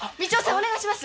お願いします。